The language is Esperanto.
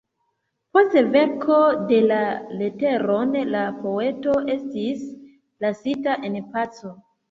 Post verko de la leteron, la poeto estis lasita en paco.